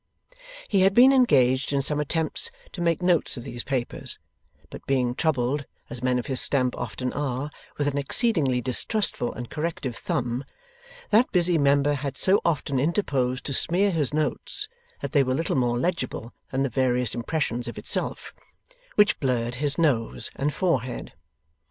He had been engaged in some attempts to make notes of these papers; but being troubled (as men of his stamp often are) with an exceedingly distrustful and corrective thumb, that busy member had so often interposed to smear his notes, that they were little more legible than the various impressions of itself; which blurred his nose and forehead.